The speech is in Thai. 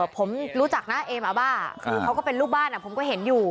ผมรู้จักนะเอมอาบ้าคือเขาก็เป็นลูกบ้านผมก็เห็นอยู่